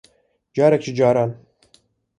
Carek ji caran